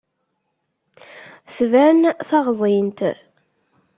Tban taɣẓint.